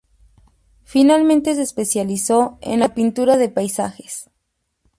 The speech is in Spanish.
Finalmente se especializó en la pintura de paisajes.